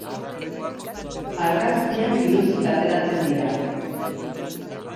Argazkian biluzik ateratzen dira.